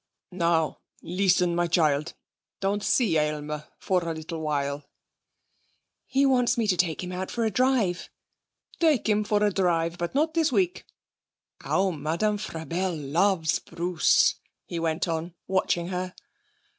'Now listen, my child. Don't see Aylmer for a little while.' 'He wants me to take him out for a drive.' 'Take him for a drive. But not this week. How Madame Frabelle loves Bruce!' he went on, watching her.